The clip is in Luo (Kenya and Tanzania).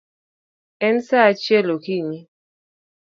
En saa achiel okinyi